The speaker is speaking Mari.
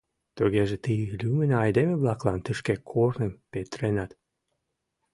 Тугеже, тый лӱмын айдеме-влаклан тышке корным петыренат?